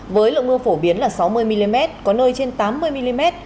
với lượng mưa phổ biến là sáu mươi mm có nơi trên tám mươi mm